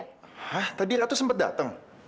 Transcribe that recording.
hah tadi ratu sempet dateng